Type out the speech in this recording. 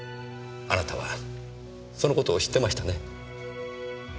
あなたはそのことを知ってましたね？